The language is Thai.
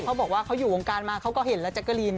เขาบอกว่าเขาอยู่วงการมาเขาก็เห็นแล้วแจ๊กกะลีน